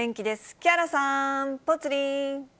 木原さん、ぽつリン。